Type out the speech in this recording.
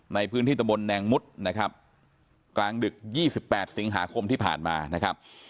ในพื้นที่ตะบนแนงมุดนะครับกลางดึก๒๘สิงหาคมที่ผ่านมานะครับ